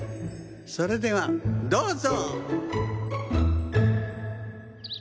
それではどうぞ！